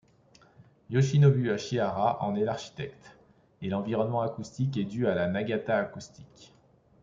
Yoshinobu Ashihara en est l'architecte, et l'environnement acoustique est dû à la Nagata Acoustics.